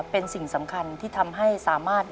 เป็นสิ่งสำคัญที่ทำให้สามารถ